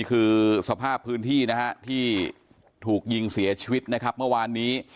คือสภาพพื้นที่นะฮะที่ถูกยิงเสียชีวิตนะครับเมื่อวานนี้